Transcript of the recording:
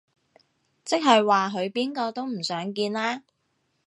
即係話佢邊個都唔想見啦